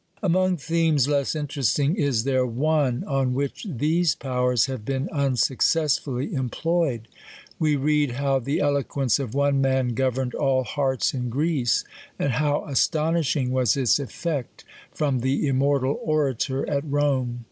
Among themes less interesting, is there one, on w^hich these powers have been unsuccessfully employed / We read how the eloquence of one man governed all hearts in Greece, and how astonishing was its effect from the immortal Orator at Rome.